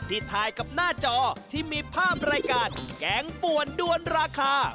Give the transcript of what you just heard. ที่ถ่ายกับหน้าจอที่มีภาพรายการแกงป่วนด้วนราคา